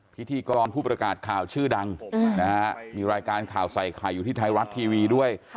พิธีกรผู้ประกาศข่าวชื่อดังมีรายการข่าวใส่ไข่อยู่ที่ไทยรัฐทีวีด้วย